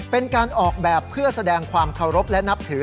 เป็นการออกแบบเพื่อแสดงความเคารพและนับถือ